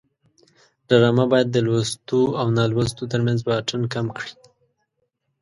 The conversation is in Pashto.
ډرامه باید د لوستو او نالوستو ترمنځ واټن کم کړي